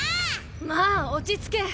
まぁ落ち着け。